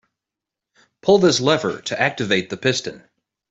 Pull this lever to activate the piston.